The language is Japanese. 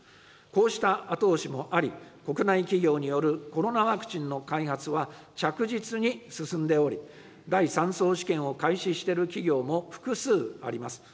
こうした後押しもあり、国内企業によるコロナワクチンの開発は、着実に進んでおり、第三相試験を開始している企業も複数あります。